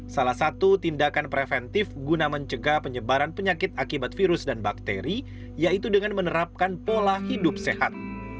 salah satu tindakan preventif guna mencegah penyebaran penyakit akibat virus dan bakteri yaitu dengan menerapkan pola hidup sehat